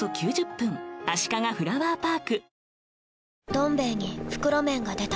「どん兵衛」に袋麺が出た